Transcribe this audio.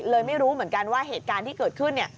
ไม่รู้เหมือนกันว่าเหตุการณ์ที่เกิดขึ้นเนี่ย